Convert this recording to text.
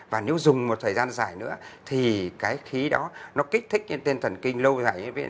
và nếu dùng một thời gian dài nữa thì cái khí đó nó kích thích trên tên thần kinh lâu dài